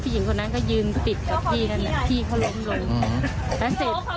ผู้หญิงคนนั้นก็ยืนติดกับพี่กัน